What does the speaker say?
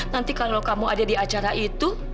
nanti kalau kamu ada di acara itu